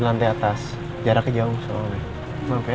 di lantai atas jarak jauh soalnya maaf ya